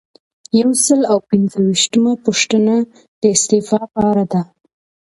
یو سل او پنځه ویشتمه پوښتنه د استعفا په اړه ده.